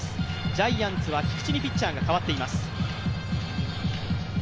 ジャイアンツは菊地にピッチャーがかわっています。